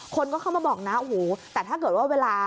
คนก็เข้ามาบอกนะโอ้โหแต่ถ้าเกิดว่าเวลา